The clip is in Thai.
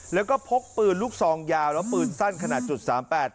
แล้วก็พกปืนลูกซองยาวแล้วปืนสั้นขนาดจุดสามแปด